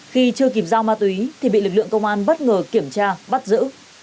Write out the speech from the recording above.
khi chưa kịp giao ma túy thì bị lực lượng công an bất ngờ kiểm tra bắt giữ